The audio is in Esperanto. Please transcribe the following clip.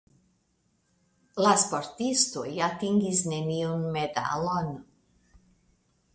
La sportistoj atingis neniun medalon.